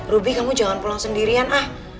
ruby kamu jangan pulang sendirian ah